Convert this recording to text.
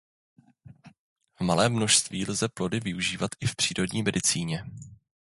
V malém množství lze plody používat i v přírodní medicíně.